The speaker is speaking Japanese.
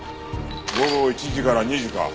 午後１時から２時か。